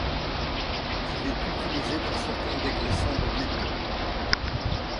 Il est utilisé dans certains dégraissants de métaux.